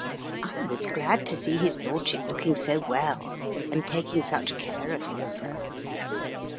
I was glad to see his lordship looking so well and taking such care of himself.